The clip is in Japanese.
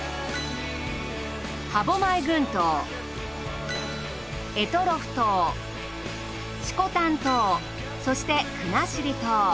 歯舞群島択捉島色丹島そして国後島。